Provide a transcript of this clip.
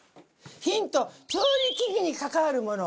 ヒント調理器具に関わるもの。